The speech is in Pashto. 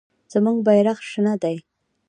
زموږ بیرغ شنه دی.